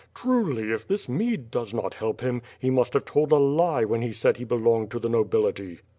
Truly if this mead does not help him, he must have told a lie when he said he l>elonged to the nobility."